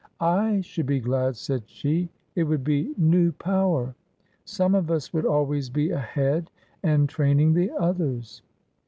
"I should be glad," said she; "it would be new power. Some of us would always be ahead and train ing the others